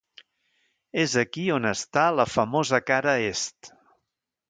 És aquí on està la famosa cara est.